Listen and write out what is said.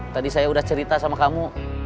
tadi saya udah cerita sama kamu